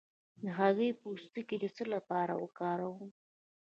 د هګۍ پوستکی د څه لپاره وکاروم؟